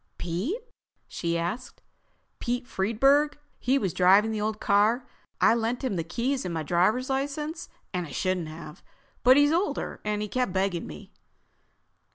"Pete?" she asked. "Pete Friedburg. He was driving the old car. I lent him the keys and my driver's license. I shouldn't have—but he's older and he kept begging me...."